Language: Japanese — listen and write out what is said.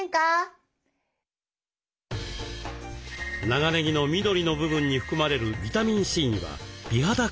長ねぎの緑の部分に含まれるビタミンＣには美肌効果が。